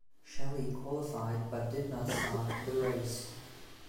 Shelly qualified but did not start the race.